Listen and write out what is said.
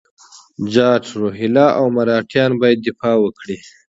جاټ، روهیله او مرهټیان باید دفاع وکړي.